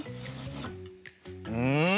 うん！